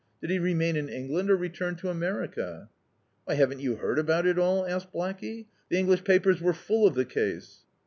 "Did he remain in England, or return to America?" "Why, haven't you heard about it all?" asked Blackey; "the English papers were full of the case."